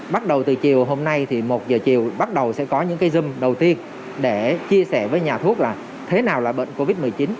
bắt đầu từ chiều hôm nay thì một giờ chiều bắt đầu sẽ có những cây đầu tiên để chia sẻ với nhà thuốc là thế nào là bệnh covid một mươi chín